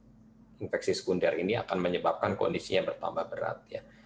karena kekhawatiran bahwa infeksi sekunder ini akan menyebabkan kondisinya bertambah berat